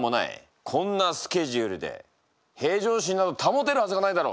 こんなスケジュールで平常心など保てるはすがないだろ。